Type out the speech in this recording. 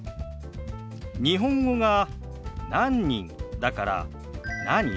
日本語が「何人」だから「何？」